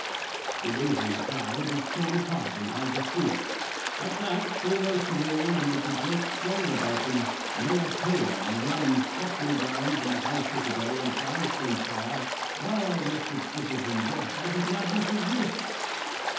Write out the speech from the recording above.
The wavering crowd is torn apart in high dispute. 'At that, foremost of all and with a great throng about him, Laocoön runs hotly down from the high citadel, and cries from far: "Ah, wretched citizens, what height of madness is this?